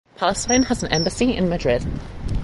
Palestine has an embassy in Madrid.